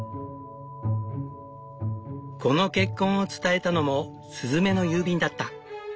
この結婚を伝えたのもスズメの郵便だった。